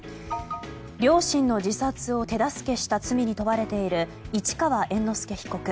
両親の自殺を手助けした罪に問われている市川猿之助被告。